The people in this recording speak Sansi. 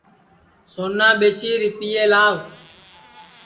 سونا ٻیچی رِپئے لاو